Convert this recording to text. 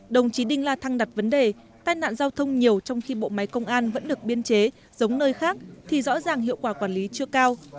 đồng chí đinh la thăng đặt vấn đề tai nạn giao thông nhiều trong khi bộ máy công an vẫn được biên chế giống nơi khác thì rõ ràng hiệu quả quản lý chưa cao